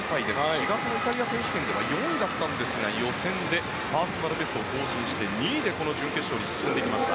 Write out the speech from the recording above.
４月のイタリア選手権では４位だったんですが予選でパーソナルベストを更新して２位でこの準決勝に進んできました。